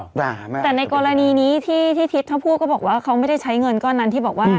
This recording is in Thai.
ด่าแม่แต่ในกรณีนี้ที่ที่ทิศเขาพูดก็บอกว่าเขาไม่ได้ใช้เงินก้อนนั้นที่บอกว่า